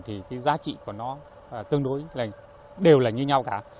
thì cái giá trị của nó tương đối là đều là như nhau cả